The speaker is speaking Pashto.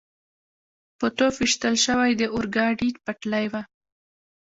په توپ ویشتل شوې د اورګاډي پټلۍ وه.